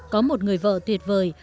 có một người vợ tuyệt vời